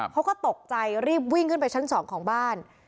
เขาก็ตกใจรีบวิ่งขึ้นไปชั้น๒ของบ้าน